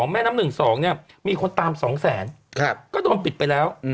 แม่น้ำหนึ่ง๒มีคนตาม๒๐๐๐๐๐ก็โดนปิดไปแล้ว